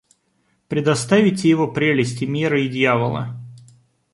Предоставите его прелести мира и дьявола?